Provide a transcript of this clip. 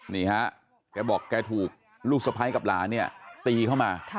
นี่ฮะแกบอกแกถูกลูกสะพ้ายกับหลานเนี่ยตีเข้ามา